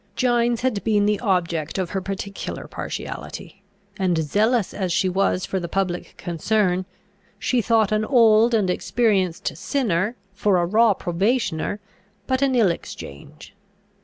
Gines had been the object of her particular partiality; and, zealous as she was for the public concern, she thought an old and experienced sinner for a raw probationer but an ill exchange.